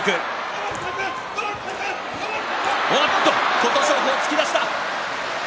琴勝峰、突き出した。